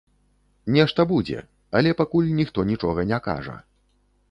Нешта будзе, але пакуль ніхто нічога не кажа.